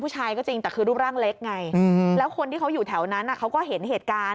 ผู้ชายก็จริงแต่คือรูปร่างเล็กไงแล้วคนที่เขาอยู่แถวนั้นเขาก็เห็นเหตุการณ์